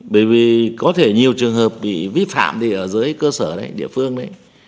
bởi vì có thể nhiều trường hợp bị vi phạm thì ở dưới cơ sở đấy địa phương đấy